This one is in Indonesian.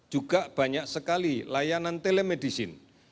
juga banyak sekali layanan telemedicine